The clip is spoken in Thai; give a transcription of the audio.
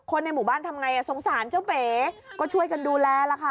ในหมู่บ้านทำไงสงสารเจ้าเป๋ก็ช่วยกันดูแลล่ะค่ะ